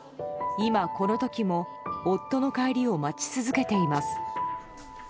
今この時も夫の帰りを待ち続けています。